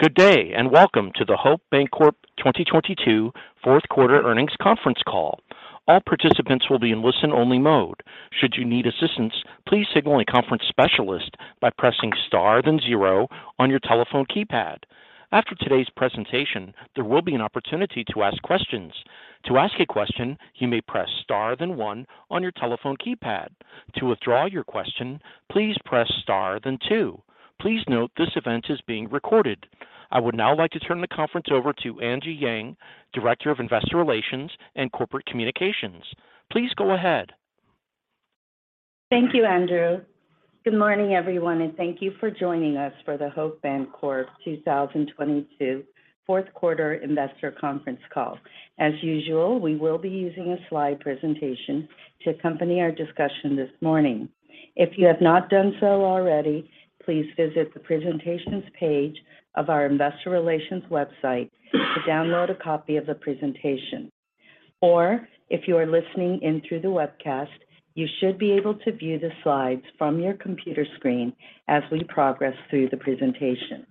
Good day, and welcome to the Hope Bancorp 2022 Q4 earnings conference call. All participants will be in listen-only mode. Should you need assistance, please signal a conference specialist by pressing star then zero on your telephone keypad. After today's presentation, there will be an opportunity to ask questions. To ask a question, you may press star then one on your telephone keypad. To withdraw your question, please press star then two. Please note this event is being recorded. I would now like to turn the conference over to Angie Yang, Director of Investor Relations and Corporate Communications. Please go ahead. Thank you, Andrew. Good morning, everyone, thank you for joining us for the Hope Bancorp 2022 Q4 investor conference call. As usual, we will be using a slide presentation to accompany our discussion this morning. If you have not done so already, please visit the Presentations page of our investor relations website to download a copy of the presentation. If you are listening in through the webcast, you should be able to view the slides from your computer screen as we progress through the presentation.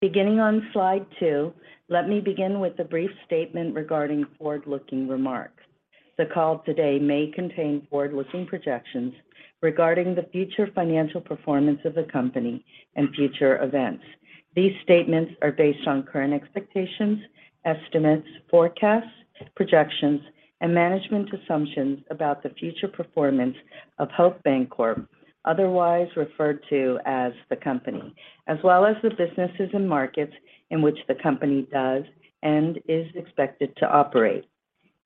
Beginning on slide two, let me begin with a brief statement regarding forward-looking remarks. The call today may contain forward-looking projections regarding the future financial performance of the company and future events. These statements are based on current expectations, estimates, forecasts, projections, and management assumptions about the future performance of Hope Bancorp, otherwise referred to as the Company, as well as the businesses and markets in which the company does and is expected to operate.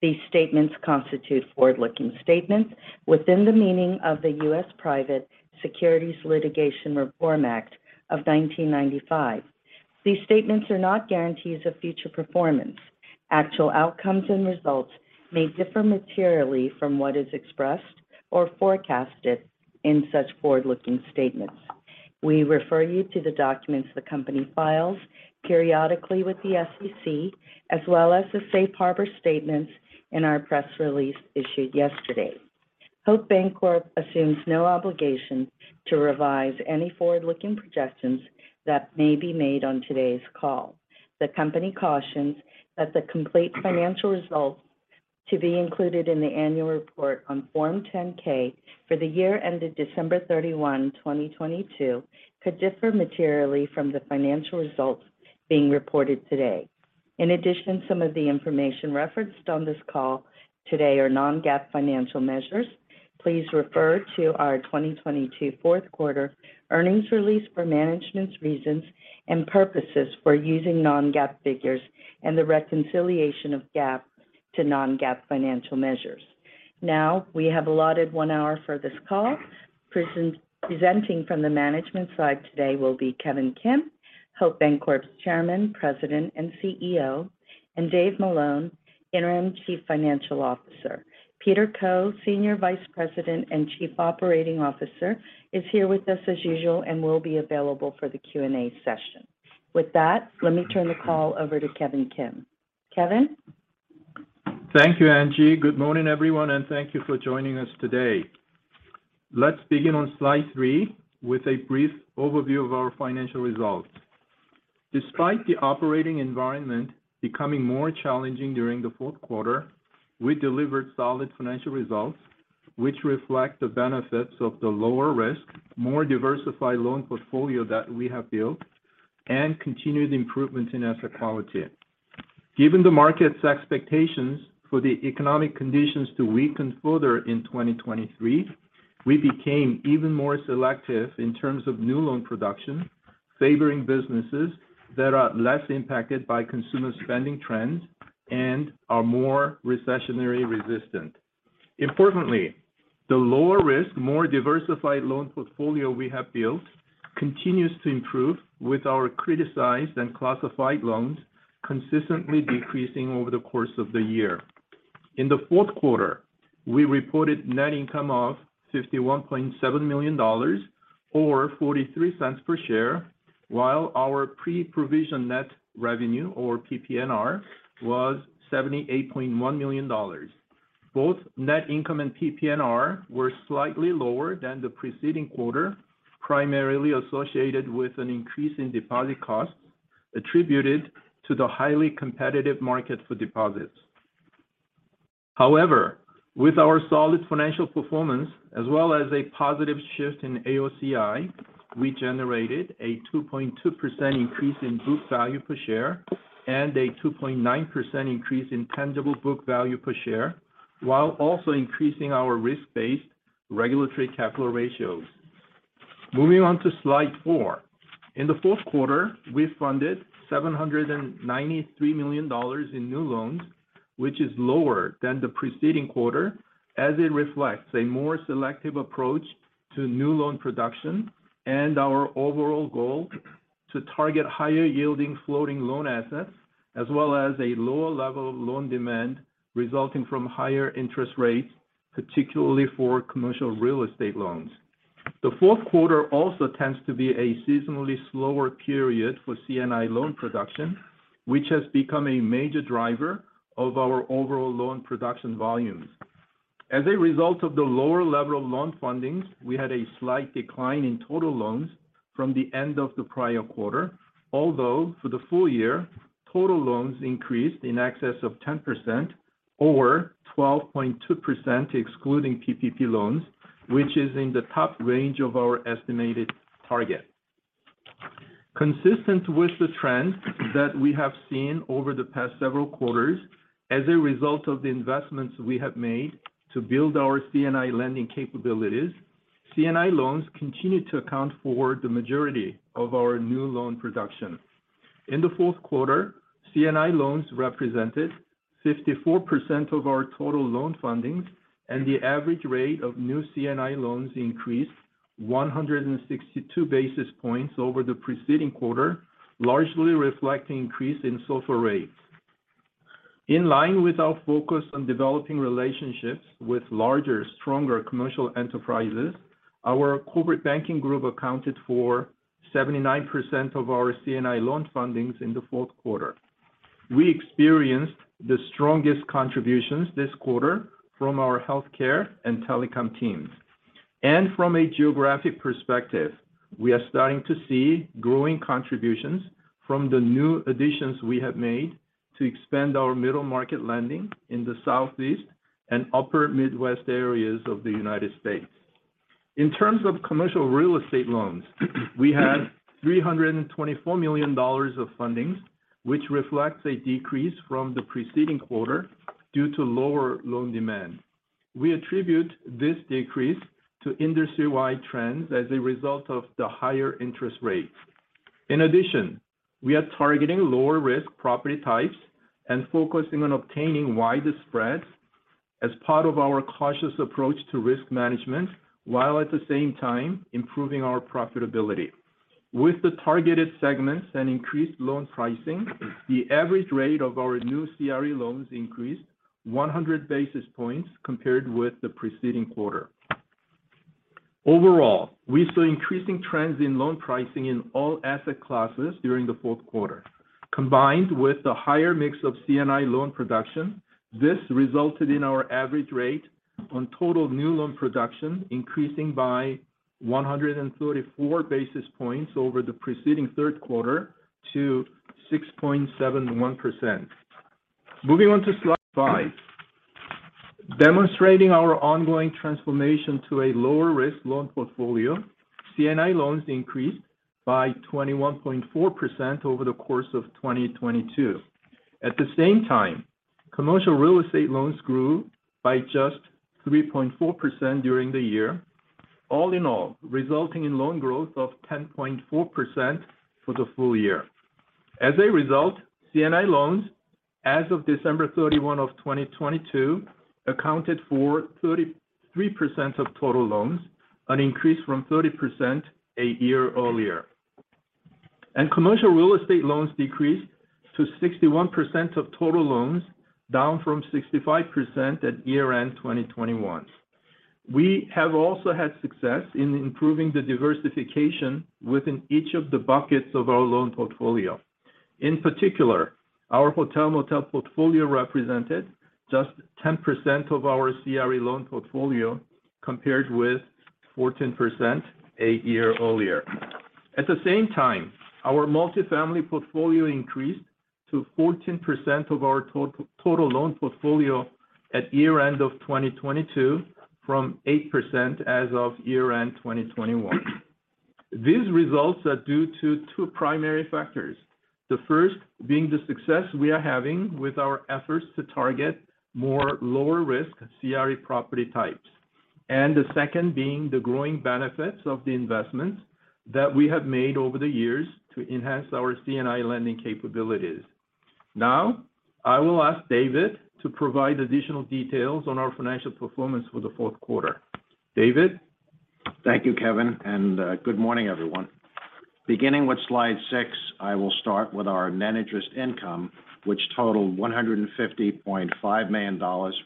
These statements constitute forward-looking statements within the meaning of the US Private Securities Litigation Reform Act of 1995. These statements are not guarantees of future performance. Actual outcomes and results may differ materially from what is expressed or forecasted in such forward-looking statements. We refer you to the documents the company files periodically with the SEC, as well as the safe harbor statements in our press release issued yesterday. Hope Bancorp assumes no obligation to revise any forward-looking projections that may be made on today's call. The company cautions that the complete financial results to be included in the annual report on Form 10-K for the year ended December 31, 2022 could differ materially from the financial results being reported today. Some of the information referenced on this call today are non-GAAP financial measures. Please refer to our 2022 Q4 earnings release for management's reasons and purposes for using non-GAAP figures and the reconciliation of GAAP to non-GAAP financial measures. We have allotted 1 hour for this call. Presenting from the management side today will be Kevin Kim, Hope Bancorp's Chairman, President, and CEO, and David Malone, Interim Chief Financial Officer. Peter Koh, Senior Vice President and Chief Operating Officer, is here with us as usual and will be available for the Q&A session. Let me turn the call over to Kevin Kim. Kevin? Thank you, Angie. Good morning, everyone, and thank you for joining us today. Let's begin on slide three with a brief overview of our financial results. Despite the operating environment becoming more challenging during the Q4, we delivered solid financial results which reflect the benefits of the lower risk, more diversified loan portfolio that we have built and continued improvements in asset quality. Given the market's expectations for the economic conditions to weaken further in 2023, we became even more selective in terms of new loan production, favoring businesses that are less impacted by consumer spending trends and are more recessionary resistant. Importantly, the lower risk, more diversified loan portfolio we have built continues to improve with our criticized and classified loans consistently decreasing over the course of the year. In the Q4, we reported net income of $51.7 million or $0.43 per share, while our pre-provision net revenue or PPNR was $78.1 million. Both net income and PPNR were slightly lower than the preceding quarter, primarily associated with an increase in deposit costs attributed to the highly competitive market for deposits. With our solid financial performance as well as a positive shift in AOCI, we generated a 2.2% increase in book value per share and a 2.9% increase in tangible book value per share while also increasing our risk-based regulatory capital ratios. Moving on to slide four. In the Q4, we funded $793 million in new loans, which is lower than the preceding quarter as it reflects a more selective approach to new loan production and our overall goal to target higher yielding floating loan assets, as well as a lower level of loan demand resulting from higher interest rates, particularly for commercial real estate loans. The Q4 also tends to be a seasonally slower period for C&I loan production, which has become a major driver of our overall loan production volumes. As a result of the lower level of loan fundings, we had a slight decline in total loans from the end of the prior quarter. For the full year, total loans increased in excess of 10% or 12.2% excluding PPP loans, which is in the top range of our estimated target. Consistent with the trend that we have seen over the past several quarters as a result of the investments we have made to build our C&I lending capabilities, C&I loans continue to account for the majority of our new loan production. In the Q4, C&I loans represented 54% of our total loan fundings, and the average rate of new C&I loans increased 162 basis points over the preceding quarter, largely reflecting increase in SOFR rates. In line with our focus on developing relationships with larger, stronger commercial enterprises, our corporate banking group accounted for 79% of our C&I loan fundings in the Q4. We experienced the strongest contributions this quarter from our healthcare and telecom teams. From a geographic perspective, we are starting to see growing contributions from the new additions we have made to expand our middle market lending in the Southeast and upper Midwest areas of the United States. In terms of commercial real estate loans, we had $324 million of fundings, which reflects a decrease from the preceding quarter due to lower loan demand. We attribute this decrease to industry-wide trends as a result of the higher interest rates. In addition, we are targeting lower risk property types and focusing on obtaining wider spreads as part of our cautious approach to risk management, while at the same time improving our profitability. With the targeted segments and increased loan pricing, the average rate of our new CRE loans increased 100 basis points compared with the preceding quarter. Overall, we saw increasing trends in loan pricing in all asset classes during the Q4. Combined with the higher mix of C&I loan production, this resulted in our average rate on total new loan production increasing by 134 basis points over the preceding Q3 to 6.71%. Moving on to slide five. Demonstrating our ongoing transformation to a lower risk loan portfolio, C&I loans increased by 21.4% over the course of 2022. At the same time, commercial real estate loans grew by just 3.4% during the year. All in all, resulting in loan growth of 10.4% for the full year. As a result, C&I loans, as of December 31 of 2022, accounted for 33% of total loans, an increase from 30% a year earlier. Commercial real estate loans decreased to 61% of total loans, down from 65% at year-end 2021. We have also had success in improving the diversification within each of the buckets of our loan portfolio. In particular, our hotel/motel portfolio represented just 10% of our CRE loan portfolio, compared with 14% a year earlier. At the same time, our multifamily portfolio increased to 14% of our total loan portfolio at year-end of 2022 from 8% as of year-end 2021. These results are due to two primary factors. The first being the success we are having with our efforts to target more lower risk CRE property types. The second being the growing benefits of the investments that we have made over the years to enhance our C&I lending capabilities. Now, I will ask David to provide additional details on our financial performance for the Q4. David. Thank you, Kevin, and good morning, everyone. Beginning with slide six, I will start with our net interest income which totaled $150.5 million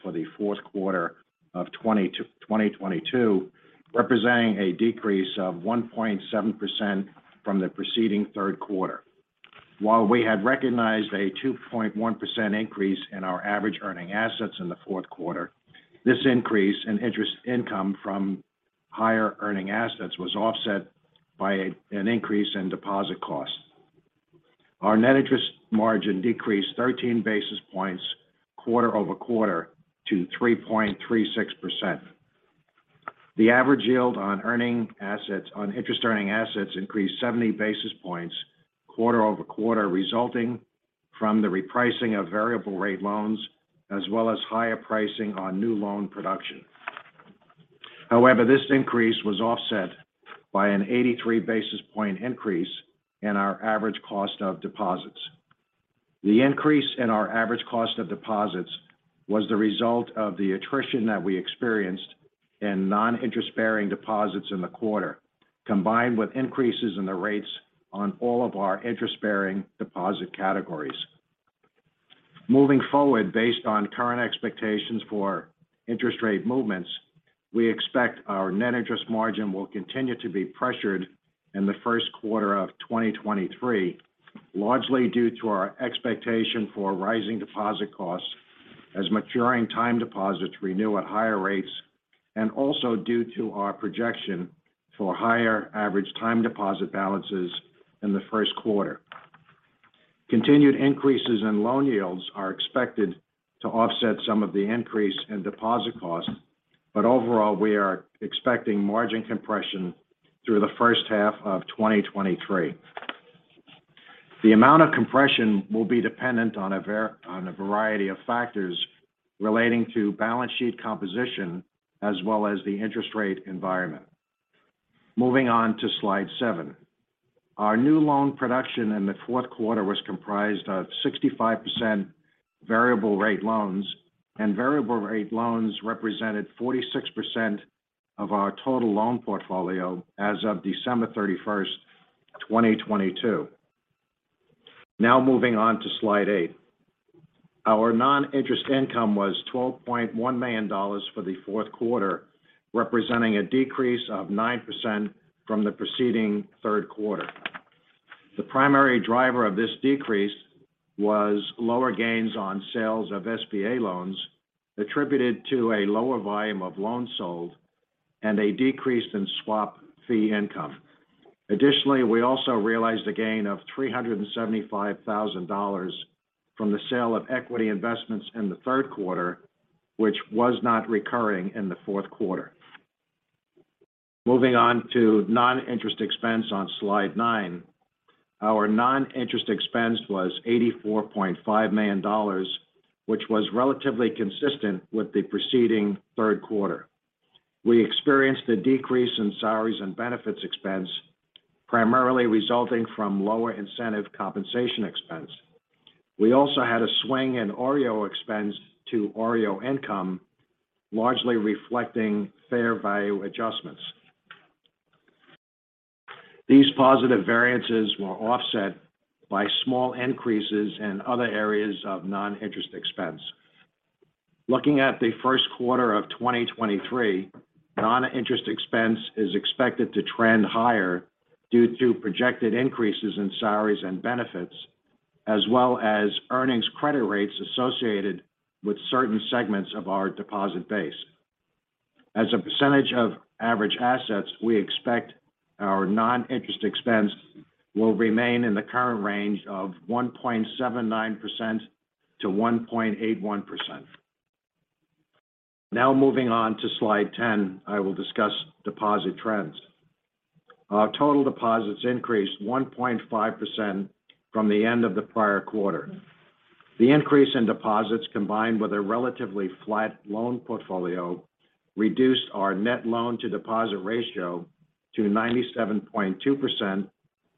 for the Q4 of 2022, representing a decrease of 1.7% from the preceding Q3. While we had recognized a 2.1% increase in our average earning assets in the Q4, this increase in interest income from higher earning assets was offset by an increase in deposit costs. Our net interest margin decreased 13 basis points quarter-over-quarter to 3.36%. The average yield on interest earning assets increased 70 basis points quarter-over-quarter, resulting from the repricing of variable rate loans as well as higher pricing on new loan production. This increase was offset by an 83 basis point increase in our average cost of deposits. The increase in our average cost of deposits was the result of the attrition that we experienced in non-interest-bearing deposits in the quarter, combined with increases in the rates on all of our interest-bearing deposit categories. Moving forward, based on current expectations for interest rate movements. We expect our net interest margin will continue to be pressured in the Q1 of 2023, largely due to our expectation for rising deposit costs as maturing time deposits renew at higher rates, and also due to our projection for higher average time deposit balances in the Q1. Continued increases in loan yields are expected to offset some of the increase in deposit costs. Overall, we are expecting margin compression through the H1 of 2023. The amount of compression will be dependent on a variety of factors relating to balance sheet composition as well as the interest rate environment. Moving on to slide seven. Our new loan production in the Q4 was comprised of 65% variable rate loans. Variable rate loans represented 46% of our total loan portfolio as of December 31, 2022. Moving on to slide eight. Our non-interest income was $12.1 million for the Q4, representing a decrease of 9% from the preceding Q3. The primary driver of this decrease was lower gains on sales of SBA loans attributed to a lower volume of loans sold and a decrease in swap fee income. Additionally, we also realized a gain of $375,000 from the sale of equity investments in the Q3, which was not recurring in the Q4. Moving on to non-interest expense on slide nine. Our non-interest expense was $84.5 million, which was relatively consistent with the preceding Q3. We experienced a decrease in salaries and benefits expense, primarily resulting from lower incentive compensation expense. We also had a swing in OREO expense to OREO income, largely reflecting fair value adjustments. These positive variances were offset by small increases in other areas of non-interest expense. Looking at the Q1 of 2023, non-interest expense is expected to trend higher due to projected increases in salaries and benefits as well as earnings credit rates associated with certain segments of our deposit base. As a percentage of average assets, we expect our non-interest expense will remain in the current range of 1.79%-1.81%. Moving on to slide 10, I will discuss deposit trends. Our total deposits increased 1.5% from the end of the prior quarter. The increase in deposits, combined with a relatively flat loan portfolio, reduced our net loan to deposit ratio to 97.2%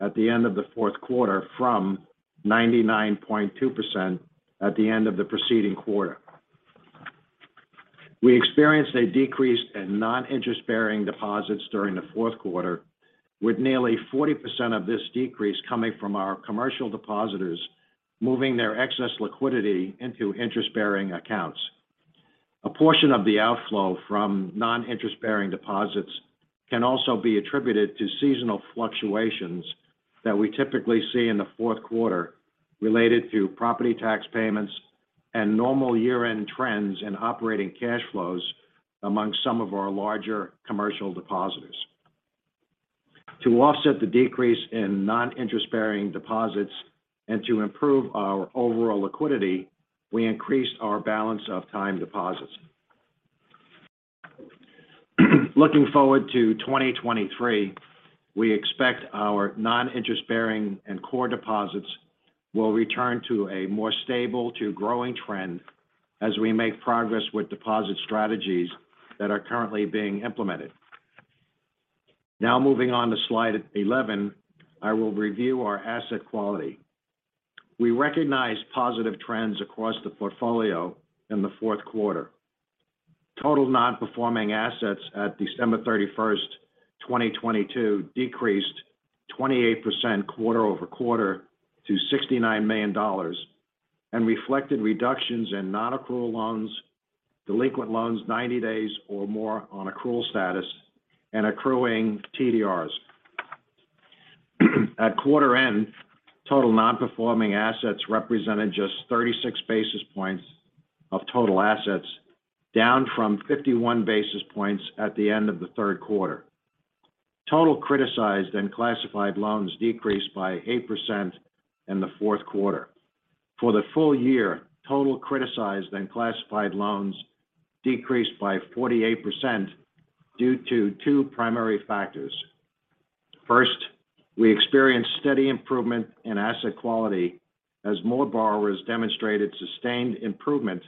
at the end of the Q4 from 99.2% at the end of the preceding quarter. We experienced a decrease in non-interest-bearing deposits during the Q4, with nearly 40% of this decrease coming from our commercial depositors moving their excess liquidity into interest-bearing accounts. A portion of the outflow from non-interest-bearing deposits can also be attributed to seasonal fluctuations that we typically see in the Q4 related to property tax payments and normal year-end trends in operating cash flows among some of our larger commercial depositors. To offset the decrease in non-interest-bearing deposits and to improve our overall liquidity, we increased our balance of time deposits. Looking forward to 2023, we expect our non-interest-bearing and core deposits will return to a more stable to growing trend as we make progress with deposit strategies that are currently being implemented. Moving on to slide 11, I will review our asset quality. We recognized positive trends across the portfolio in the Q4. Total non-performing assets at December 31, 2022 decreased 28% quarter-over-quarter to $69 million and reflected reductions in non-accrual loans, delinquent loans 90 days or more on accrual status, and accruing TDRs. At quarter end, total non-performing assets represented just 36 basis points of total assets, down from 51 basis points at the end of the Q3. Total criticized and classified loans decreased by 8% in the Q4. For the full year, total criticized and classified loans decreased by 48% due to two primary factors. First, we experienced steady improvement in asset quality as more borrowers demonstrated sustained improvement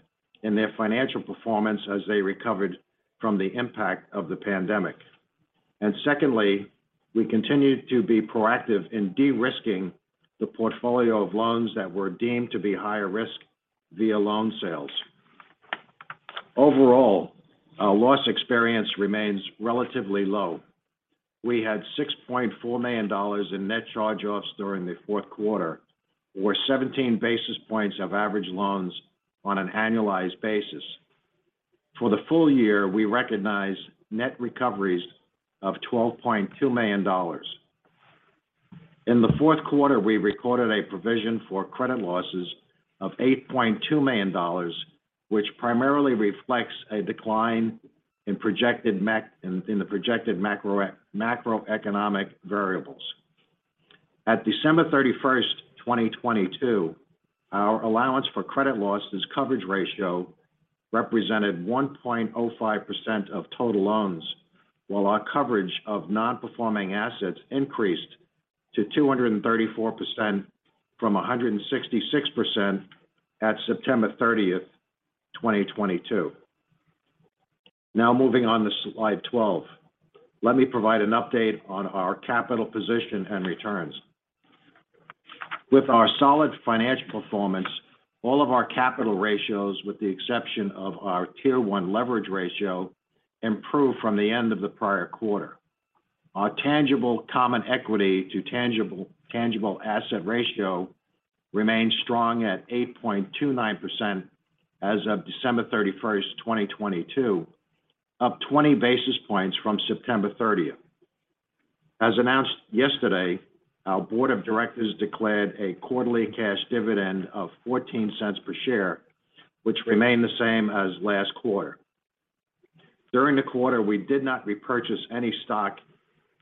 in their financial performance as they recovered from the impact of the pandemic. Secondly, we continued to be proactive in de-risking the portfolio of loans that were deemed to be higher risk via loan sales. Overall, our loss experience remains relatively low. We had $6.4 million in net charge-offs during the Q4 or 17 basis points of average loans on an annualized basis. For the full year, we recognize net recoveries of $12.2 million. In the Q4, we recorded a provision for credit losses of $8.2 million, which primarily reflects a decline in the projected macroeconomic variables. At December 31st, 2022, our allowance for credit losses coverage ratio represented 1.05% of total loans, while our coverage of non-performing assets increased to 234% from 166% at September 30th, 2022. Now moving on to slide 12. Let me provide an update on our capital position and returns. With our solid financial performance, all of our capital ratios, with the exception of our Tier 1 leverage ratio, improved from the end of the prior quarter. Our tangible common equity to tangible asset ratio remains strong at 8.29% as of December 31, 2022, up 20 basis points from September 30. As announced yesterday, our board of directors declared a quarterly cash dividend of $0.14 per share, which remained the same as last quarter. During the quarter, we did not repurchase any stock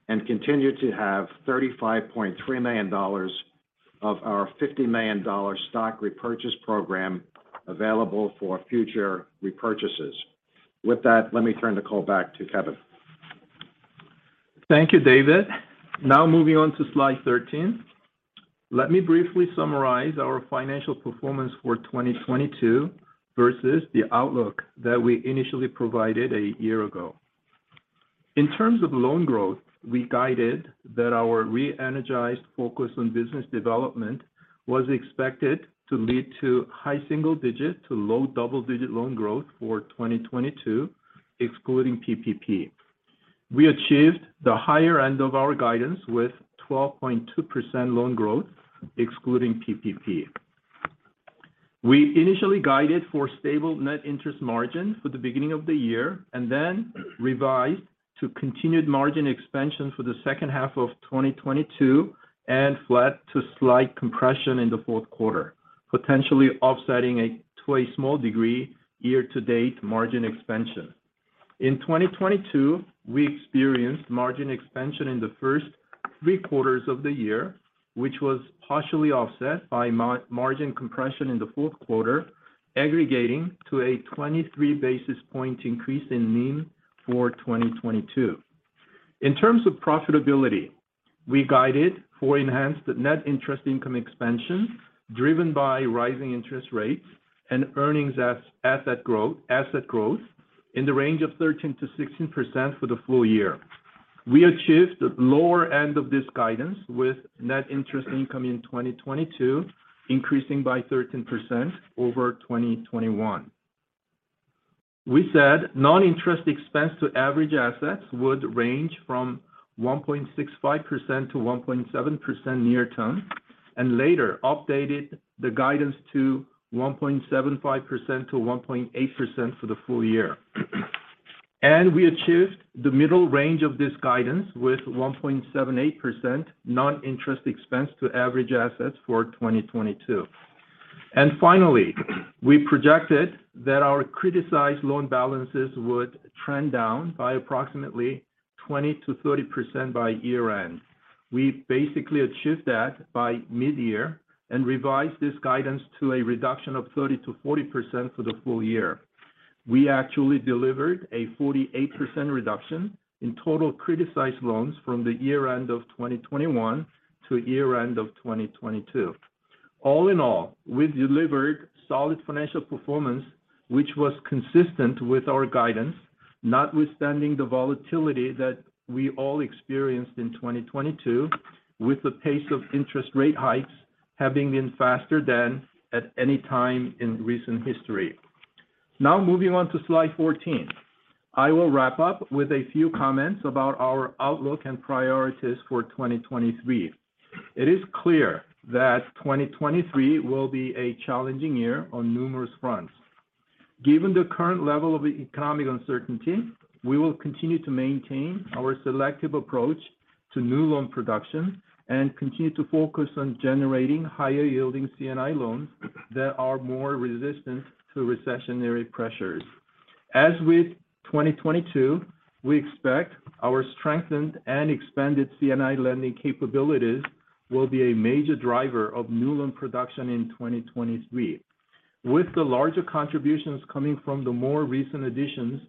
and continued to have $35.3 million of our $50 million stock repurchase program available for future repurchases. With that, let me turn the call back to Kevin. Thank you, David. Moving on to slide 13. Let me briefly summarize our financial performance for 2022 versus the outlook that we initially provided a year ago. In terms of loan growth, we guided that our re-energized focus on business development was expected to lead to high single-digit to low double-digit loan growth for 2022, excluding PPP. We achieved the higher end of our guidance with 12.2% loan growth, excluding PPP. We initially guided for stable net interest margin for the beginning of the year and then revised to continued margin expansion for the H2 of 2022 and flat to slight compression in the Q4, potentially offsetting to a small degree year-to-date margin expansion. In 2022, we experienced margin expansion in the first three quarters of the year, which was partially offset by margin compression in the Q4, aggregating to a 23 basis point increase in NIM for 2022. In terms of profitability, we guided for enhanced net interest income expansion driven by rising interest rates and earnings as asset growth in the range of 13%-16% for the full year. We achieved the lower end of this guidance with net interest income in 2022, increasing by 13% over 2021. We said non-interest expense to average assets would range from 1.65%-1.7% near-term and later updated the guidance to 1.75%-1.8% for the full year. We achieved the middle range of this guidance with 1.78% non-interest expense to average assets for 2022. Finally, we projected that our criticized loan balances would trend down by approximately 20%-30% by year-end. We basically achieved that by mid-year and revised this guidance to a reduction of 30%-40% for the full year. We actually delivered a 48% reduction in total criticized loans from the year-end of 2021 to year-end of 2022. All in all, we delivered solid financial performance which was consistent with our guidance, notwithstanding the volatility that we all experienced in 2022 with the pace of interest rate hikes having been faster than at any time in recent history. Now moving on to slide 14. I will wrap up with a few comments about our outlook and priorities for 2023. It is clear that 2023 will be a challenging year on numerous fronts. Given the current level of economic uncertainty, we will continue to maintain our selective approach to new loan production and continue to focus on generating higher yielding C&I loans that are more resistant to recessionary pressures. As with 2022, we expect our strengthened and expanded C&I lending capabilities will be a major driver of new loan production in 2023. With the larger contributions coming from the more recent additions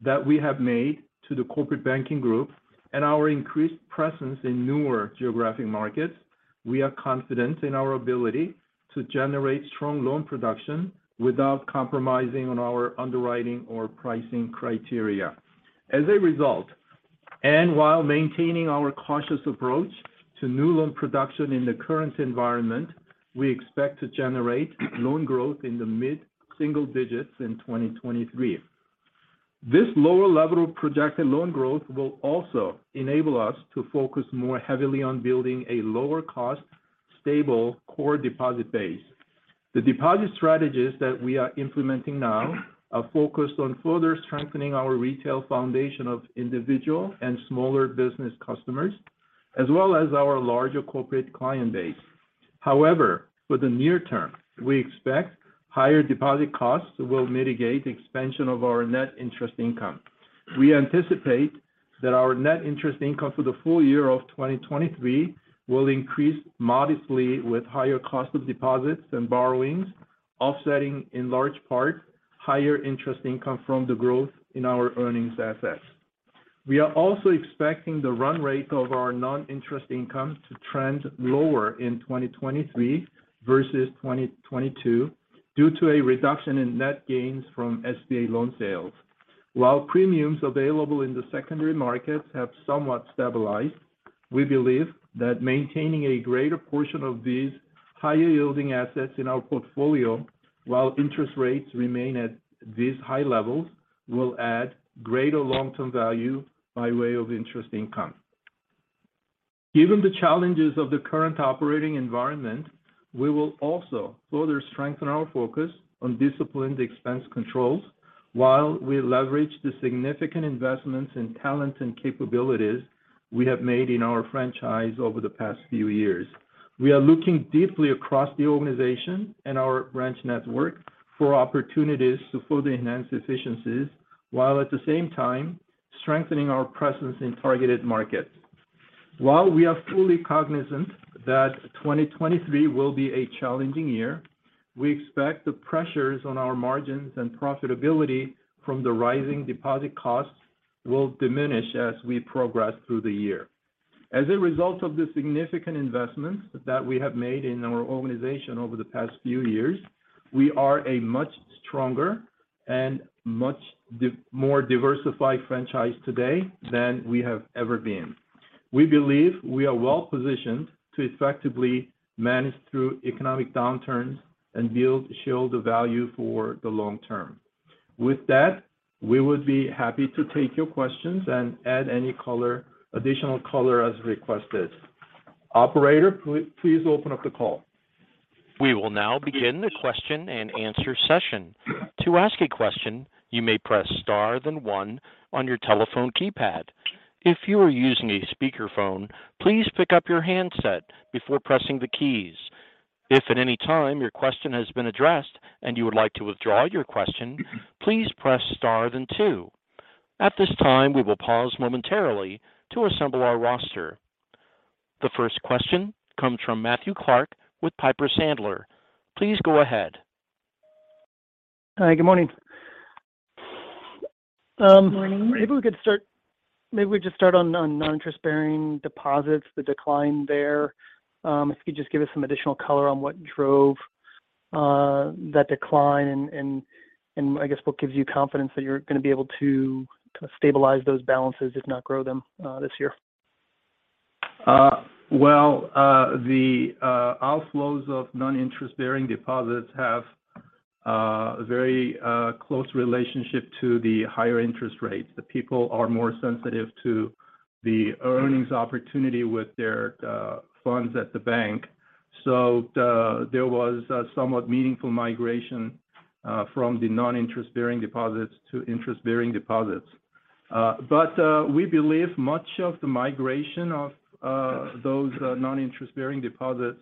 that we have made to the corporate banking group and our increased presence in newer geographic markets, we are confident in our ability to generate strong loan production without compromising on our underwriting or pricing criteria. As a result, and while maintaining our cautious approach to new loan production in the current environment, we expect to generate loan growth in the mid-single digits in 2023. This lower level of projected loan growth will also enable us to focus more heavily on building a lower cost, stable core deposit base. The deposit strategies that we are implementing now are focused on further strengthening our retail foundation of individual and smaller business customers, as well as our larger corporate client base. For the near term, we expect higher deposit costs will mitigate expansion of our net interest income. We anticipate that our net interest income for the full year of 2023 will increase modestly with higher cost of deposits and borrowings, offsetting, in large part, higher interest income from the growth in our earnings assets. We are also expecting the run rate of our non-interest income to trend lower in 2023 versus 2022 due to a reduction in net gains from SBA loan sales. While premiums available in the secondary markets have somewhat stabilized, we believe that maintaining a greater portion of these higher yielding assets in our portfolio while interest rates remain at these high levels will add greater long-term value by way of interest income. Given the challenges of the current operating environment, we will also further strengthen our focus on disciplined expense controls while we leverage the significant investments in talent and capabilities we have made in our franchise over the past few years. We are looking deeply across the organization and our branch network for opportunities to further enhance efficiencies, while at the same time strengthening our presence in targeted markets. While we are fully cognizant that 2023 will be a challenging year, we expect the pressures on our margins and profitability from the rising deposit costs will diminish as we progress through the year. As a result of the significant investments that we have made in our organization over the past few years, we are a much stronger and much more diversified franchise today than we have ever been. We believe we are well-positioned to effectively manage through economic downturns and show the value for the long term. With that, we would be happy to take your questions and add any additional color as requested. Operator, please open up the call. We will now begin the question and answer session. To ask a question, you may press star then one on your telephone keypad. If you are using a speakerphone, please pick up your handset before pressing the keys. If at any time your question has been addressed and you would like to withdraw your question, please press star then two. At this time, we will pause momentarily to assemble our roster. The first question comes from Matthew Clark with Piper Sandler. Please go ahead. Hi, good morning. Good morning. Maybe we just start on non-interest-bearing deposits, the decline there. If you could just give us some additional color on what drove that decline and I guess what gives you confidence that you're gonna be able to kind of stabilize those balances, if not grow them this year? Well, the outflows of non-interest-bearing deposits have very close relationship to the higher interest rates. The people are more sensitive to the earnings opportunity with their funds at the bank. There was a somewhat meaningful migration from the non-interest-bearing deposits to interest-bearing deposits. We believe much of the migration of those non-interest-bearing deposits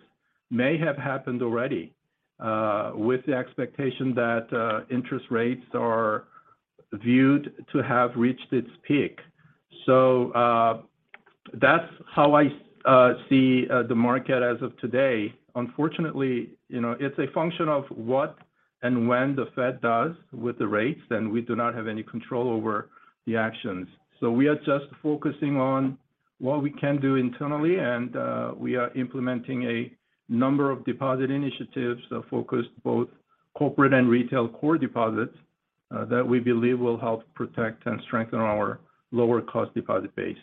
may have happened already with the expectation that interest rates are viewed to have reached its peak. That's how I see the market as of today. Unfortunately, you know, it's a function of what and when the Fed does with the rates, and we do not have any control over the actions. We are just focusing on what we can do internally, and, we are implementing a number of deposit initiatives that focus both corporate and retail core deposits, that we believe will help protect and strengthen our lower cost deposit base.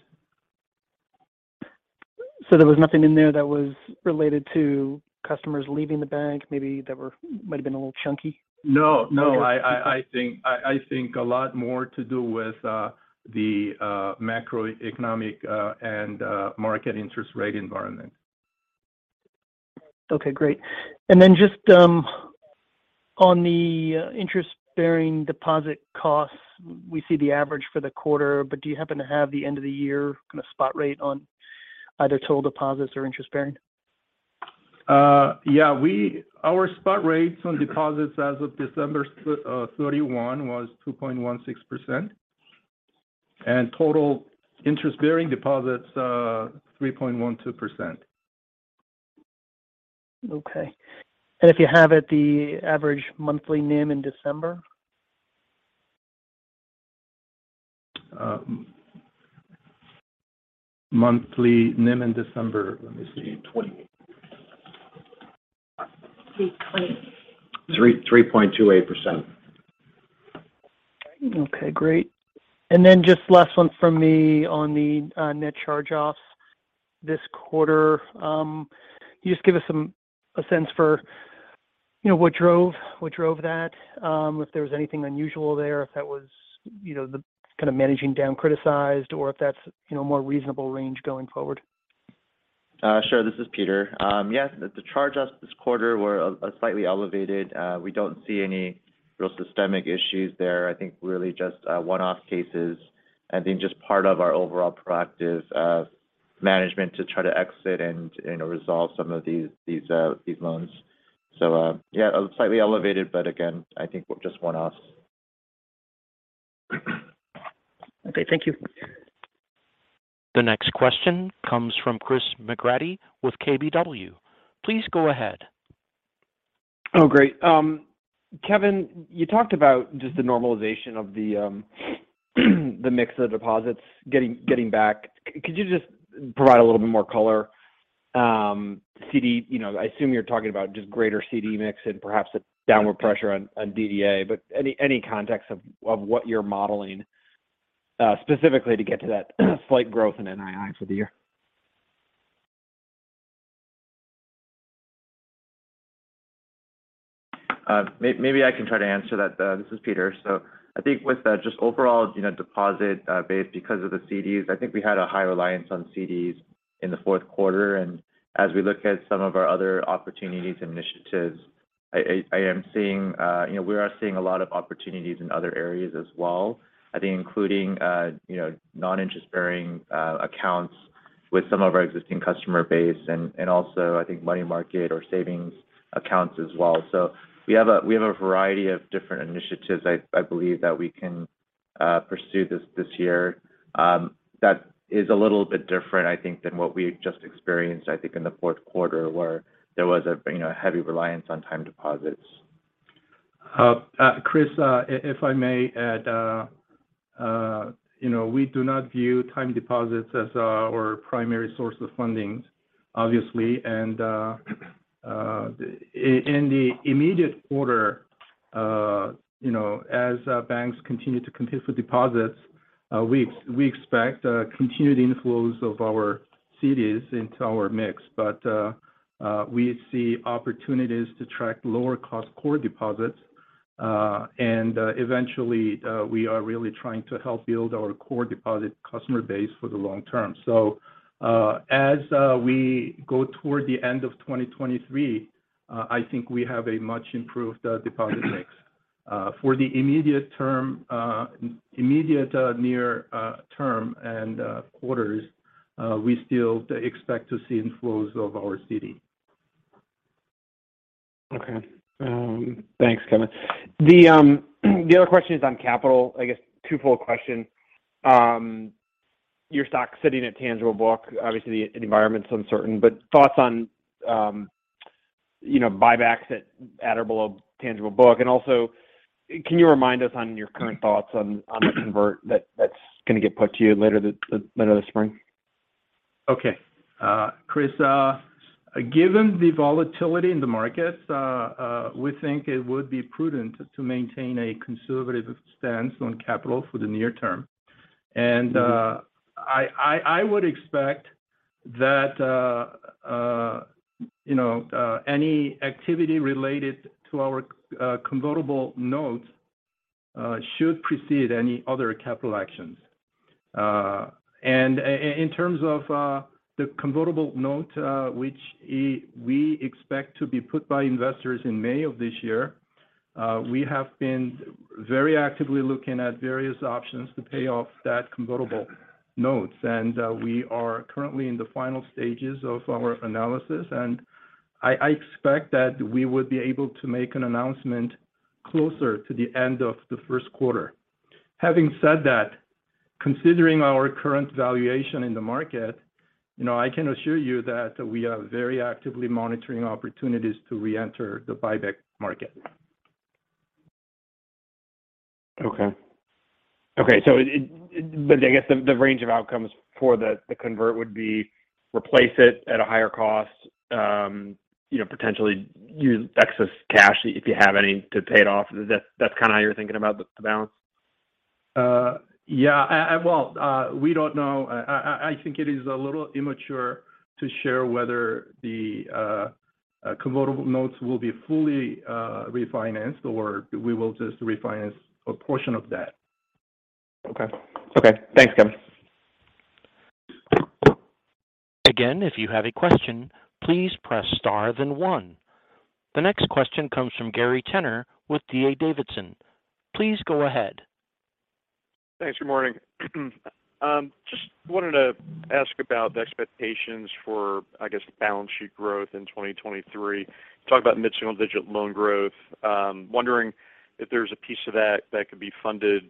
There was nothing in there that was related to customers leaving the bank, maybe that were-- might have been a little chunky? No, no, I I think a lot more to do with, the macroeconomic, and market interest rate environment. Okay, great. Just on the interest-bearing deposit costs, we see the average for the quarter, but do you happen to have the end of the year kind of spot rate on either total deposits or interest bearing? Yeah. Our spot rates on deposits as of December 31 was 2.16%. Total interest-bearing deposits, 3.12%. Okay. If you have it, the average monthly NIM in December? monthly NIM in December. Let me see.3.28% Okay, great. Just last one from me on the net charge-offs this quarter. Can you just give us a sense for, you know, what drove that? If there was anything unusual there, if that was, you know, the kind of managing down criticized or if that's, you know, more reasonable range going forward? Sure. This is Peter. Yes, the charge-offs this quarter were slightly elevated. We don't see any real systemic issues there. I think really just one-off cases and then just part of our overall proactive management to try to exit and resolve some of these loans. Yeah, slightly elevated, but again, I think we're just one-offs. Okay, thank you. The next question comes from Chris McGratty with KBW. Please go ahead. Great. Kevin, you talked about just the normalization of the mix of deposits getting back. Could you just provide a little bit more color. You know, I assume you're talking about just greater CD mix and perhaps a downward pressure on DDA, but any context of what you're modeling, specifically to get to that slight growth in NII for the year. Maybe I can try to answer that. This is Peter. I think with the just overall, you know, deposit base because of the CDs, I think we had a high reliance on CDs in the Q4. As we look at some of our other opportunities and initiatives, I am seeing, you know, we are seeing a lot of opportunities in other areas as well. I think including, you know, non-interest bearing accounts with some of our existing customer base and also I think money market or savings accounts as well. We have a variety of different initiatives I believe that we can pursue this year, that is a little bit different, I think, than what we just experienced, I think in the Q4 where there was a, you know, heavy reliance on time deposits. Chris, if I may add, you know, we do not view time deposits as our primary source of funding, obviously. In the immediate quarter, you know, as banks continue to compete for deposits, we expect continued inflows of our CDs into our mix. We see opportunities to track lower cost core deposits. And eventually, we are really trying to help build our core deposit customer base for the long term. As we go toward the end of 2023, I think we have a much improved deposit mix. For the immediate term, immediate, near term and quarters, we still expect to see inflows of our CD. Okay. thanks, Kevin. The, the other question is on capital. I guess twofold question. Your stock sitting at tangible book, obviously the environment's uncertain, but thoughts on, you know, buybacks at or below tangible book. Also, can you remind us on your current thoughts on the convert that's gonna get put to you later this spring? Okay. Chris, given the volatility in the markets, we think it would be prudent to maintain a conservative stance on capital for the near term. I would expect that, you know, any activity related to our convertible notes, should precede any other capital actions. In terms of, the convertible note, which, we expect to be put by investors in May of this year, we have been very actively looking at various options to pay off that convertible notes. We are currently in the final stages of our analysis. I expect that we would be able to make an announcement closer to the end of the Q1. Having said that, considering our current valuation in the market, you know, I can assure you that we are very actively monitoring opportunities to reenter the buyback market. Okay. I guess the range of outcomes for the convert would be replace it at a higher cost, you know, potentially use excess cash if you have any to pay it off. That's kind of how you're thinking about the balance? yeah. well, we don't know. I think it is a little immature to share whether the convertible notes will be fully refinanced or we will just refinance a portion of that. Okay. Okay. Thanks, Kevin. Again, if you have a question, please press star then one. The next question comes from Gary Tenner with D.A. Davidson. Please go ahead. Thanks. Good morning. Just wanted to ask about the expectations for, I guess, balance sheet growth in 2023. Talk about mid-single digit loan growth. Wondering if there's a piece of that that could be funded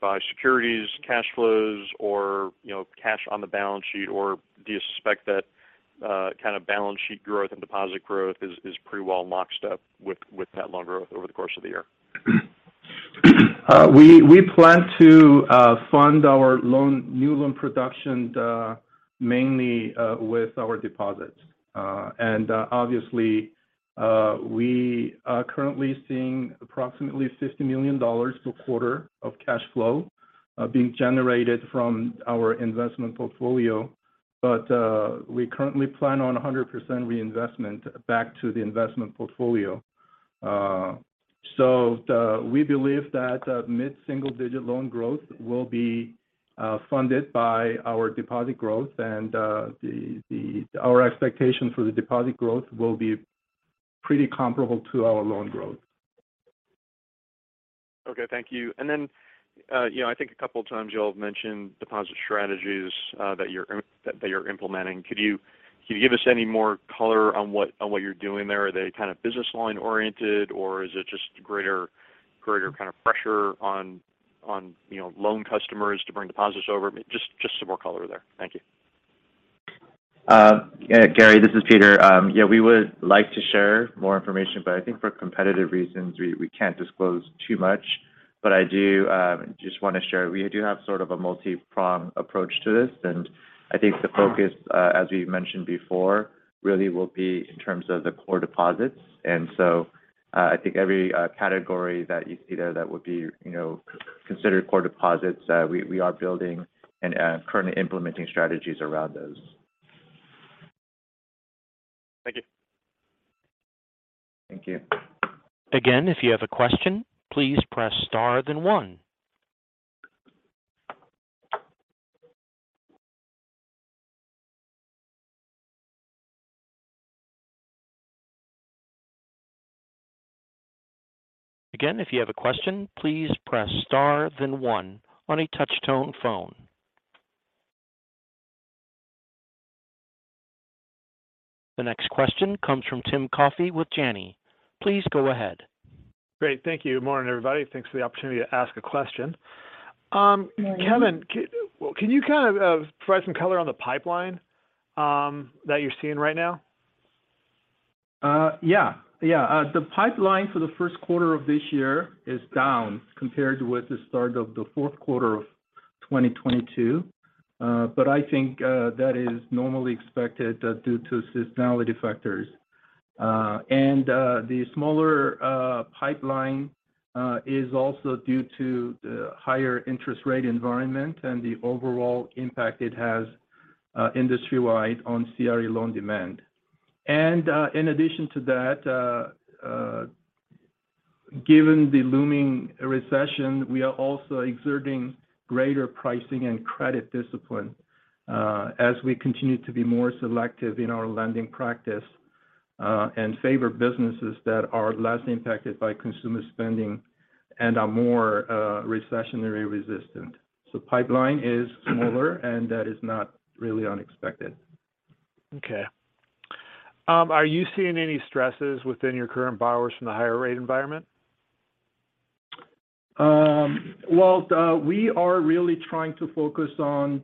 by securities cash flows or, you know, cash on the balance sheet, or do you suspect that kind of balance sheet growth and deposit growth is pretty well locked up with that loan growth over the course of the year? We plan to fund our new loan production Mainly with our deposits. Obviously, we are currently seeing approximately $50 million per quarter of cash flow being generated from our investment portfolio. We currently plan on 100% reinvestment back to the investment portfolio. We believe that mid-single digit loan growth will be funded by our deposit growth. Our expectation for the deposit growth will be pretty comparable to our loan growth. Okay. Thank you. You know, I think a couple of times you all have mentioned deposit strategies, that you're implementing. Could you give us any more color on what you're doing there? Are they kind of business line oriented or is it just greater kind of pressure on, you know, loan customers to bring deposits over? Just some more color there. Thank you. Gary, this is Peter. Yeah, we would like to share more information, but I think for competitive reasons we can't disclose too much. I do just wanna share, we do have sort of a multi-pronged approach to this. I think the focus, as we mentioned before, really will be in terms of the core deposits. I think every category that you see there that would be, you know, considered core deposits, we are building and currently implementing strategies around those. Thank you. Thank you. Again, if you have a question, please press star then one. Again, if you have a question, please press star then one on a touch tone phone. The next question comes from Tim Coffey with Janney. Please go ahead. Great. Thank you. Morning, everybody. Thanks for the opportunity to ask a question. Morning. Kevin, can you kind of provide some color on the pipeline that you're seeing right now? Yeah. Yeah. The pipeline for the Q1 of this year is down compared with the start of the Q4 of 2022. I think that is normally expected due to seasonality factors. The smaller pipeline is also due to the higher interest rate environment and the overall impact it has industry-wide on CRE loan demand. In addition to that, given the looming recession, we are also exerting greater pricing and credit discipline as we continue to be more selective in our lending practice and favor businesses that are less impacted by consumer spending and are more recessionary resistant. Pipeline is smaller, and that is not really unexpected. Okay. Are you seeing any stresses within your current borrowers from the higher rate environment? Well, we are really trying to focus on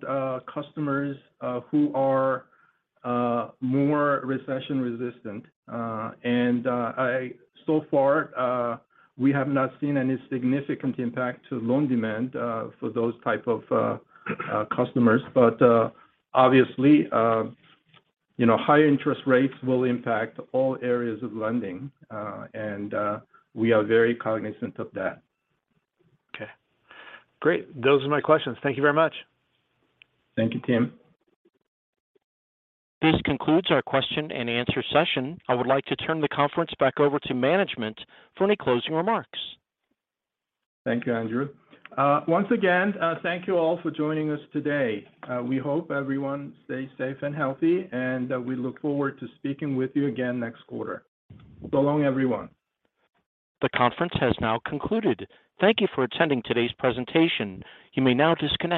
customers who are more recession resistant. So far, we have not seen any significant impact to loan demand for those type of customers. Obviously, you know, higher interest rates will impact all areas of lending. We are very cognizant of that. Okay. Great. Those are my questions. Thank you very much. Thank you, Tim. This concludes our question and answer session. I would like to turn the conference back over to management for any closing remarks. Thank you, Andrew. Once again, thank you all for joining us today. We hope everyone stays safe and healthy, and we look forward to speaking with you again next quarter. Long, everyone. The conference has now concluded. Thank you for attending today's presentation. You may now disconnect.